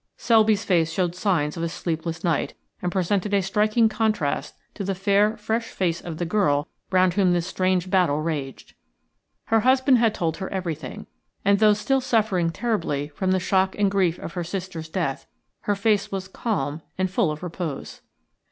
Selby's face showed signs of a sleepless night, and presented a striking contrast to the fair, fresh face of the girl round whom this strange battle raged. Her husband had told her everything, and though still suffering terribly from the shock and grief of her sister's death, her face was calm and full of repose.